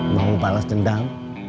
mau balas dendam